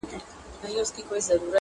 گراني دا هيله كوم,